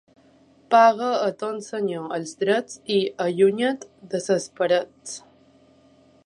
Paga a ton senyor els drets i allunya't de ses parets.